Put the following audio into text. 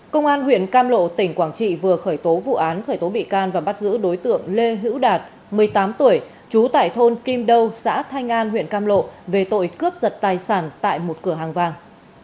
công an huyện cam lộ tỉnh quảng trị vừa khởi tố vụ án khởi tố bị can và bắt giữ đối tượng lê hữu đạt một mươi tám tuổi trú tại thôn kim đâu xã thanh an huyện cam lộ về tội cướp giật tài sản tại một cửa hàng vàng